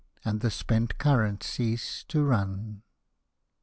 And the spent current cease to run.